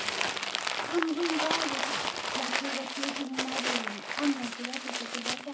半分ガエルさん野球が中止になるように雨を降らせてください。